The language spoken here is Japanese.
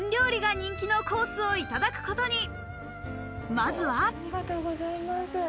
まずはありがとうございます。